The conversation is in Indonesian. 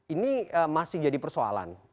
ini masih jadi persoalan